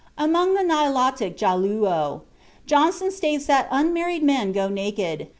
Among the Nilotic Ja luo, Johnston states that "unmarried men go naked.